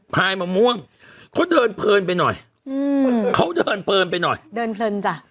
พายมะม่วงเขาเดินเพลินไปหน่อยอืมเขาเดินเพลินไปหน่อยเดินเพลินจ้ะ